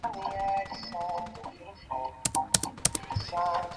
আগামী কাল বন্ধ করে দেব।